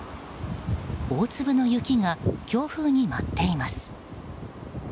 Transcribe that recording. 大粒の雪が強風に舞っています。